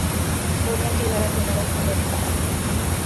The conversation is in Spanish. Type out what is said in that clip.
Podían llegar a tener hasta dos recámaras.